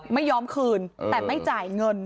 ไม่ยอมคืนแต่ไม่จ่ายเงิน